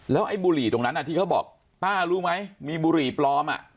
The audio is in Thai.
ไอ้บุหรี่ตรงนั้นที่เขาบอกป้ารู้ไหมมีบุหรี่ปลอม